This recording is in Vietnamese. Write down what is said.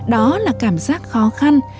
đó là cảm giác khó khăn